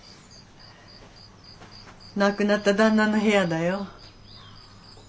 亡くなった旦那の部屋だよ。